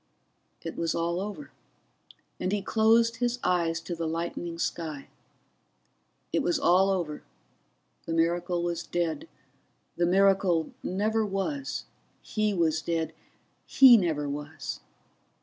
It was all over, and he closed his eyes to the lightening sky. It was all over, the miracle was dead, the miracle never was, he was dead, he never was.